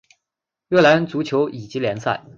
越南足球乙级联赛。